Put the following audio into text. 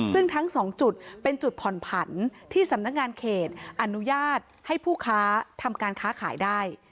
ซึ่งทั้งสองจุดเป็นจุดผ่อนผันที่สำนักงานเขตอนุญาตให้ผู้ค้าทำการค้าขายได้